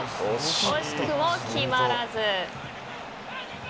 惜しくも決まらず。